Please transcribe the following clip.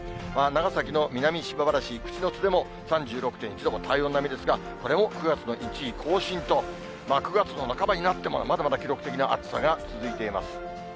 長崎の南島原市口之津でも３６．１度と、これも体温並みですが、これも９月の１位更新と、９月の半ばになっても、まだまだ記録的な暑さが続いています。